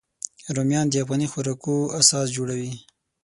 رومیان د افغاني خوراکو اساس جوړوي